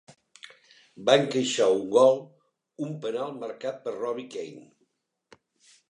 Va encaixar un gol, un penal marcat per Robbie Keane.